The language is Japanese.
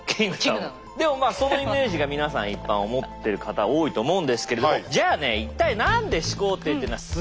でもまあそのイメージが皆さん一般思ってる方多いと思うんですけれどもじゃあね一体何で始皇帝っていうのはすごいのか。